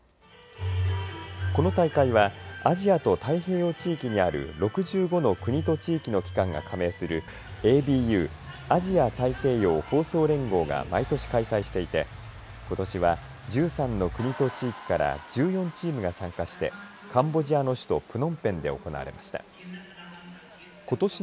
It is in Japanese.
この大会はアジアと太平洋地域にある６５の国と地域の機関が加盟する毎年開催していて毎年開催していてことしは１３の国と地域から１４チームが参加してカンボジアの首都プノンペンで行われました。